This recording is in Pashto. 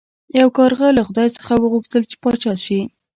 یو کارغه له خدای څخه وغوښتل چې پاچا شي.